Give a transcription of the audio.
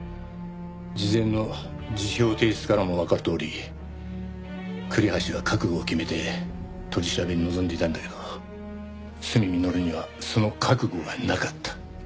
事前の辞表提出からもわかるとおり栗橋は覚悟を決めて取り調べに臨んでいたんだけど鷲見三乘にはその覚悟がなかった。